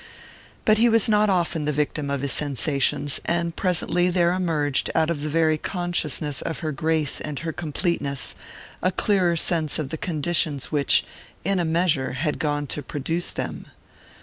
But he was not often the victim of his sensations, and presently there emerged, out of the very consciousness of her grace and her completeness, a clearer sense of the conditions which, in a measure, had gone to produce them.